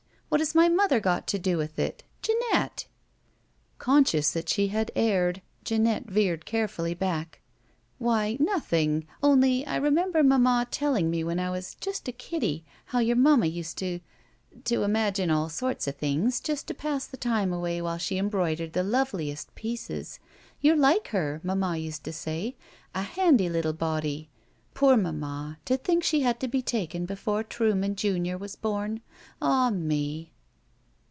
What has my mother got to do with it? Jeanette!" Conscious that she had erred, Jeanette veered carefully back.* "Why, nothing, only I remember mamma telling me when I was just a kiddie how your mamma used to — ^to imagine all sorts of things just to pass the time away while she embroidered the loveliest pieces. You're like her, mamma used to say — a handy little body. Poor mamma, to think she had to be taken before Truman, junior, was bom! Ah me!"